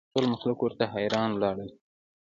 ټول مخلوق ورته حیران ولاړ ول